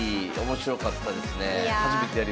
面白かったです。